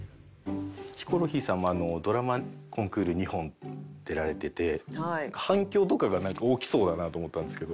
ヒコロヒーさんはドラマ今クール２本出られてて反響とかが大きそうだなと思ったんですけど。